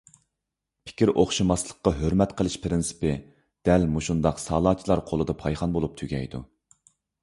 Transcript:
پىكىر ئوخشاشماسلىققا ھۆرمەت قىلىش پىرىنسىپى دەل مۇشۇنداق سالاچىلار قولىدا پايخان بولۇپ تۈگەيدۇ.